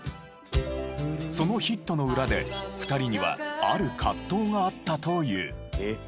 そのヒットの裏で２人にはある葛藤があったという。